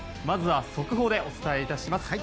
まず、速報でお伝えします。